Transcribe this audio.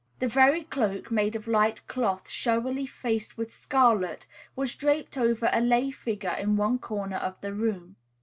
The very cloak, made of light cloth showily faced with scarlet, was draped over a lay figure in one corner of the room.